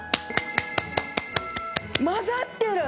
混ざってる！